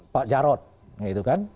pak jarod ya itu kan